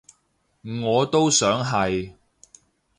我都想係